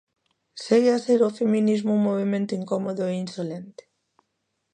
Segue a ser o feminismo un movemento incómodo e insolente?